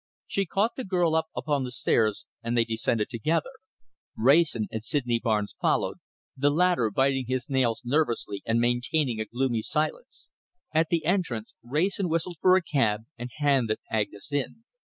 She caught the girl up upon the stairs and they descended together. Wrayson and Sydney Barnes followed, the latter biting his nails nervously and maintaining a gloomy silence. At the entrance, Wrayson whistled for a cab and handed Agnes in.